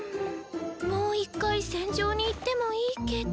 もう一回戦場に行ってもいいけど。